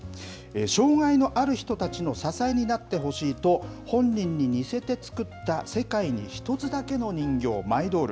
障害のある人たちの支えになってほしいと、本人に似せて作った世界に一つだけの人形、マイドール。